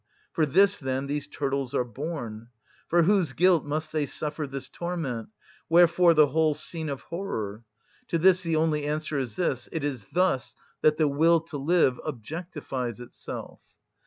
For this, then, these turtles are born. For whose guilt must they suffer this torment? Wherefore the whole scene of horror? To this the only answer is: it is thus that the will to live objectifies itself.